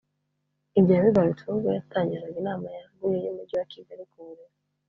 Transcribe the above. Ibyo yabigarutseho ubwo yatangizaga inama yaguye y’Umujyi wa Kigali ku burezi